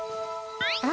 あ。